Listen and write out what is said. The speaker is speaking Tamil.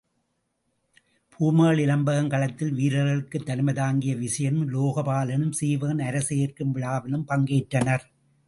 பூமகள் இலம்பகம் களத்தில் வீரர்களுக்குத் தலைமை தாங்கிய விசயனும், உலோகபாலனும் சீவகன் அரசு ஏற்கும் விழாவிலும் பங்கு ஏற்றனர்.